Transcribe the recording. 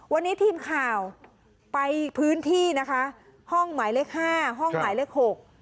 วันนี้ทีมข่าวไปพื้นที่นะคะห้องหมายเลขห้าห้องหมายเลข๖